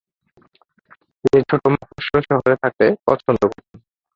তিনি ছোট মফস্বল শহরে থাকতে পছন্দ করতেন।